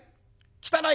汚い？